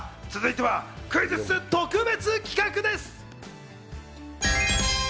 続いては、クイズッス特別企画です。